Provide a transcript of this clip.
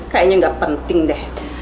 kayaknya gak penting deh